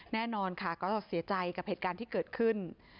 แน่นอนค่ะก็เสียใจกับเหตุการณ์ที่เกิดขึ้น